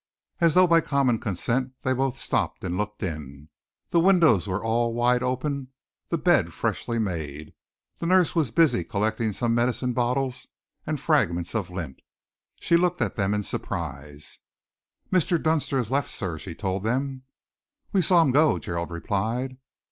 As though by common consent, they both stopped and looked in. The windows were all wide open, the bed freshly made. The nurse was busy collecting some medicine bottles and fragments of lint. She looked at them in surprise. "Mr. Dunster has left, sir," she told them. "We saw him go," Gerald replied.